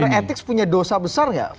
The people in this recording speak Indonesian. secara etik punya dosa besar gak